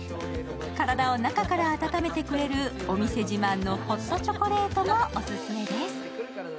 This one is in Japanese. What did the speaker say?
体を中から温めてくれるお店自慢のホットチョコレートもオススメです。